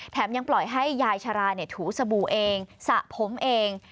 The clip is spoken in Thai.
ยังปล่อยให้ยายชาราถูสบู่เองสระผมเอง